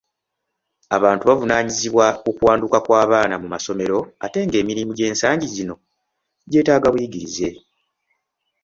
Abantu buvunaanyizibwa ku kuwanduka kw'abaana mu masomero ate nga emirimu ensangi zino gyeetaaga buyigirize.